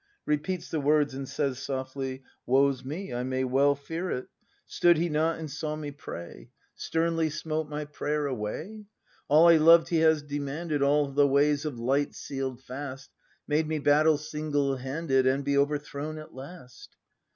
[Repeats the words, and says softly. 1 Woe's me; I may well fear it! Stood He not, and saw me pray. 290 BRAND [act v Sternly smote my prayer away ? All I loved He has demanded, All the ways of light seal'd fast. Made me battle single handed. And be overthrown at last!